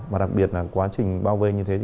và đặc biệt là quá trình bao vây như thế